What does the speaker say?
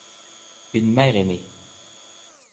Une mère aimée.